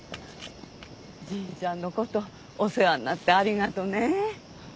じいちゃんのことお世話になってありがとね。